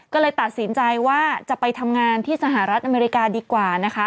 ก็เลยตัดสินใจว่าจะไปทำงานที่สหรัฐอเมริกาดีกว่านะคะ